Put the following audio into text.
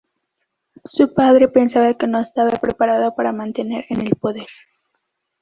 Su padre pensaba que no estaba preparado para mantenerse en el poder.